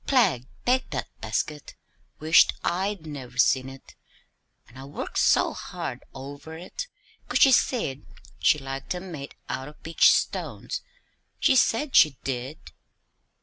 Plague take that basket wish't I'd never see it! An' I worked so hard over it, 'cause she said she liked 'em made out o' peach stones! She said she did."